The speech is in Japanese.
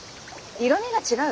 色みが違う？